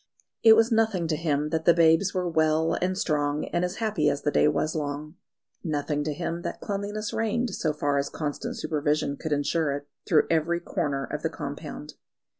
It was nothing to him that the babes were well and strong, and as happy as the day was long; nothing to him that cleanliness reigned, so far as constant supervision could ensure it, through every corner of the compound.